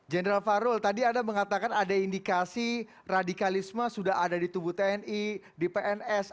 jenderal farul tadi anda mengatakan ada indikasi radikalisme sudah ada di tubuh tni di pns